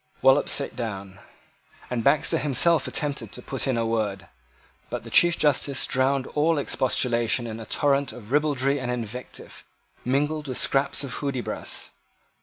Wallop sate down; and Baxter himself attempted to put in a word. But the Chief Justice drowned all expostulation in a torrent of ribaldry and invective, mingled with scraps of Hudibras.